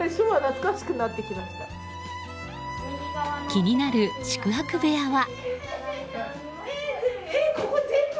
気になる宿泊部屋は。